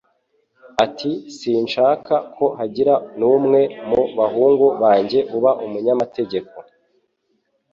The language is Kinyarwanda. ati: "Sinshaka ko hagira n'umwe mu bahungu banjye uba umunyamategeko"